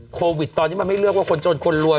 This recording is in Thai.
โควิดตอนนี้มันไม่เลือกว่าคนจนคนรวย